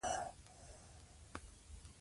دوی د شپې پته لګولې وه.